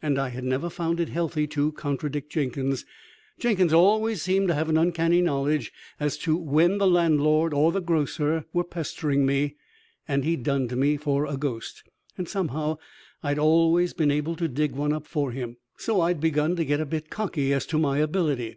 And I had never found it healthy to contradict Jenkins. Jenkins always seemed to have an uncanny knowledge as to when the landlord or the grocer were pestering me, and he dunned me for a ghost. And somehow I'd always been able to dig one up for him, so I'd begun to get a bit cocky as to my ability.